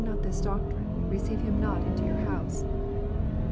not this doctrine, receive him not into your house."